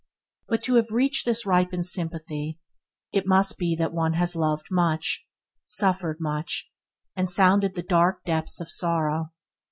But to have reached this ripened sympathy, it must needs be that one has loved much, suffered much and sounded the dark depths of sorrow.